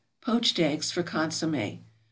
=Poached Eggs for Consommé.